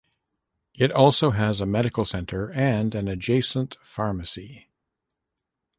It also has a Medical Centre and an adjacent Pharmacy.